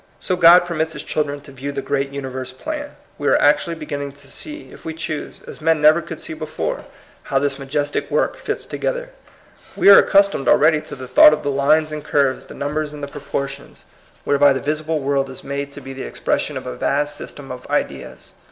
So God permits his children to view the great universe plan. We are actually be ginning to see, if we choose, as men never could see before, how this majestic work fits together. We are accustomed already to the thought of the lines and curves, the numbers and the proportions, whereby 200 THS COMING PEOPLE, the visible world is made to be the expres sion of a vast system of ideas.